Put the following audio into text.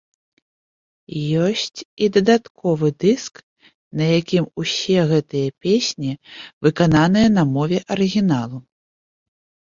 Ёсць і дадатковы дыск, на якім усе гэтыя песні выкананыя на мове арыгіналу.